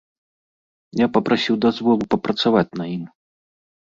Я папрасіў дазволу папрацаваць на ім.